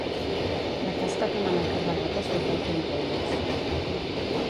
La tasca que m'han encarregat és bufar i fer ampolles.